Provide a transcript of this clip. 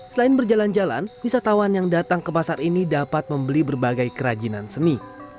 selain berjalan jalan wisatawan yang datang ke pasar ini dapat membeli berbagai kerajinan seni